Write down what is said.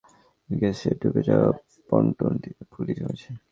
কর্মরত শ্রমিকদের কাছ থেকে জানা গেছে, ডুবে যাওয়া পন্টুনটিতে পলি জমেছে।